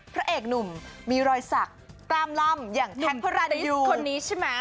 พระเอกหนุ่มมีรอยสักกล้ามล่ำอย่างแท็กพระราณิชย์คนนี้ใช่ไหม